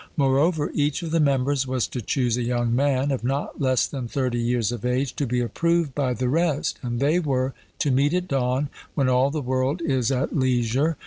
Moreover, each of the members was to choose a young man, of not less than thirty years of age, to be approved by the rest; and they were to meet at dawn, when all the world is at leisure.